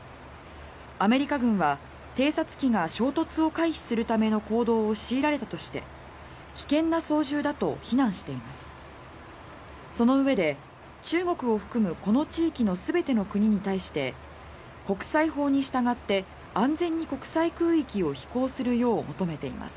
アメリカ軍は偵察機が衝突を回避するための行動を強いられたとして危険な操縦だと非難しています。